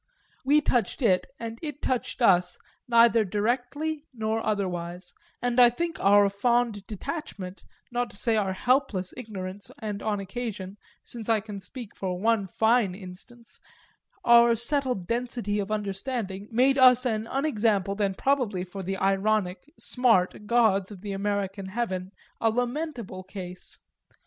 We touched it and it touched us neither directly nor otherwise, and I think our fond detachment, not to say our helpless ignorance and on occasion (since I can speak for one fine instance) our settled density of understanding, made us an unexampled and probably, for the ironic "smart" gods of the American heaven, a lamentable case.